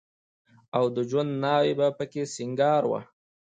او د ژوند ناوې به په کې سينګار وه.